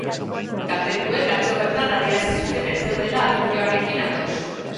Kaltetuek atzo bertan adierazi zuten ez zeudela akordioarekin ados.